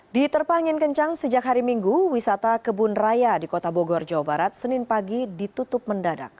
di terpangin kencang sejak hari minggu wisata kebun raya di kota bogor jawa barat senin pagi ditutup mendadak